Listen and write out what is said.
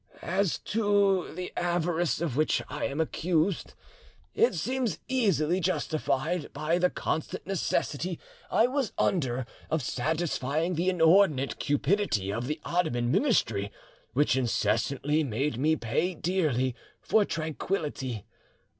"As to the avarice of which I am accused, it seems easily justified by the constant necessity I was under of satisfying the inordinate cupidity of the Ottoman ministry, which incessantly made me pay dearly for tranquillity.